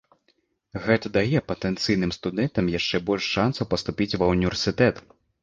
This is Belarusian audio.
Гэта дае патэнцыйным студэнтам яшчэ больш шанцаў паступіць ва ўніверсітэт.